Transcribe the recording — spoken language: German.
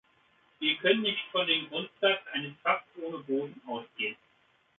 Wir können nicht von dem Grundsatz eines Fasses ohne Boden ausgehen.